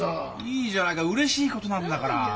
いいじゃないかうれしいことなんだから。